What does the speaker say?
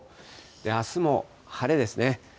あすも晴れですね。